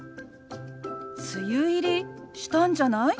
「梅雨入りしたんじゃない？」。